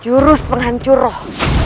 jurus penghancur roh